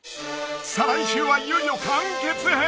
［再来週はいよいよ完結編。